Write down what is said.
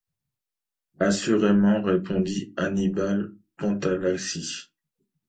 Assurément, répondit Annibal Pantalacci.